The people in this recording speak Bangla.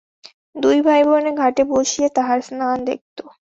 দুই ভাইবোনে ঘাটে বসিয়া তাঁহার স্নান দেখিত।